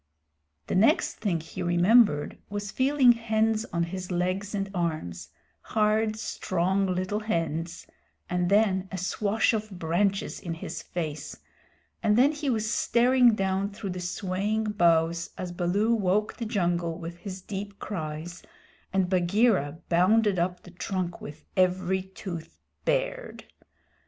The next thing he remembered was feeling hands on his legs and arms hard, strong, little hands and then a swash of branches in his face, and then he was staring down through the swaying boughs as Baloo woke the jungle with his deep cries and Bagheera bounded up the trunk with every tooth bared.